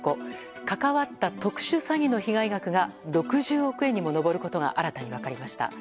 関わった特殊詐欺の被害額が６０億円にも上ることが新たに分かりました。